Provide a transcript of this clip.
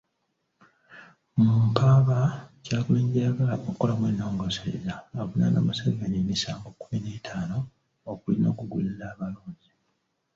Mu mpaaba, Kyagulanyi gy'ayagala okukolamu ennongoosereza, avunaana Museveni emisango kkumi n'etaana okuli n'okugulirira abalonzi.